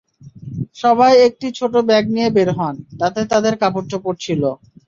সবাই একটি ছোট ব্যাগ নিয়ে বের হন, তাতে তাঁদের কাপড়চোপড় ছিল।